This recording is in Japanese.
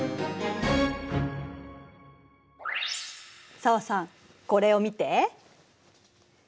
紗和さんこれを見て。